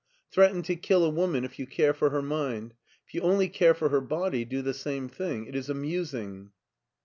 Threaten to kill a woman if you care for her mind. If you only care for her body, do the same. It is amusing."